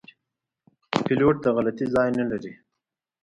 پیلوټ د غلطي ځای نه لري.